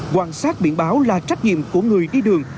quan sát biển báo là trách nhiệm của người đi đường